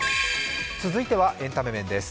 続いてはエンタメ面です。